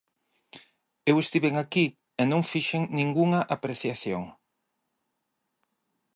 Eu estiven aquí e non fixen ningunha apreciación.